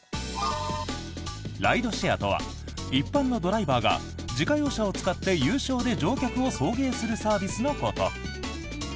ライドシェアとは一般のドライバーが自家用車を使って有償で乗客を送迎するサービスのこと。